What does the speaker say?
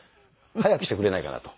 早くしてくれないかなと。